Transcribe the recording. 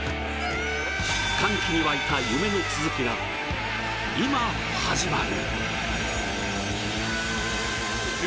歓喜に沸いた夢の続きが今、始まる。